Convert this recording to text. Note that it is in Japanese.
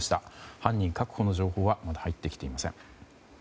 犯人確保の情報はまだ入ってきていません。